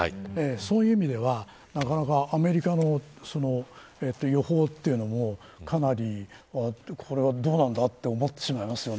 そういう意味ではなかなかアメリカの予報というのもかなり、これはどうなんだと思ってしまいますよね。